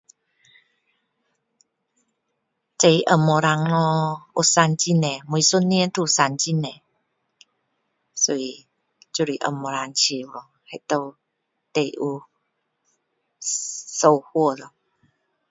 这红毛丹哦，有生很多。每一年都会生很多哦，所以就是红毛丹树咯那棵最有有收获咯。